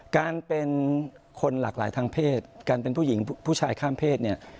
การเป็นคนหลากหลายทางเพศการเป็นผู้หญิงผู้ชายข้ามเพศเนี่ย